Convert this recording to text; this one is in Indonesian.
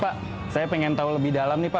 pak saya pengen tahu lebih dalam nih pak